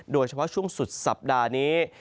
โดยเฉพาะช่วงสุดสัปดาห์นี้